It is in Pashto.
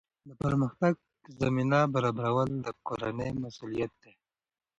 د پرمختګ زمینه برابرول د کورنۍ مسؤلیت دی.